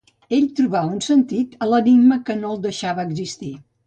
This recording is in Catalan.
Ell trobà un sentit a l'enigma que no el deixava existir.